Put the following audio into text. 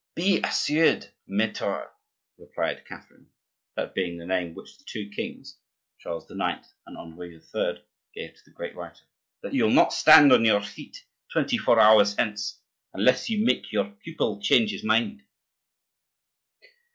"Be assured, maitre," replied Catherine (that being the name which the two kings, Charles IX. and Henri III., gave to the great writer) "that you will not stand on your feet twenty four hours hence, unless you make your pupil change his mind."